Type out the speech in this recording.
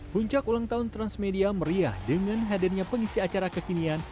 puncak ulang tahun transmedia meriah dengan hadirnya pengisi acara kekinian